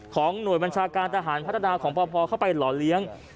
ของหน่วยบัญชาการทหารพัฒนาของปพเข้าไปหล่อเลี้ยง